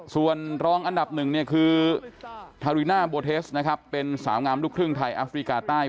ส่วนรองอันดับหนึ่งเนี่ยคือทาริน่าโบเทสนะครับเป็นสาวงามลูกครึ่งไทยแอฟริกาใต้